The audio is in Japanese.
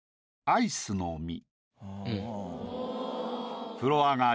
「アイスの実」。